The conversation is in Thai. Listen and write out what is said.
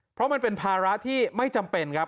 เพราะมันเป็นภาระที่ไม่จำเป็นครับ